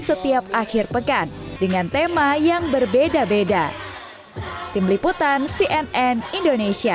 setiap akhir pekan dengan tema yang berbeda beda tim liputan cnn indonesia